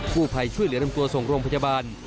ผู้ภัยช่วยเหลือนำตัวส่งโรงพยาบาล